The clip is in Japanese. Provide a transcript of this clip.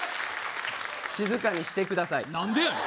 静かにしてください何でやねん！